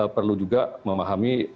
perlu juga memahami